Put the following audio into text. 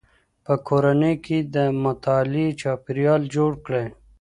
په کورنۍ کي د مطالعې چاپېريال جوړ کړئ.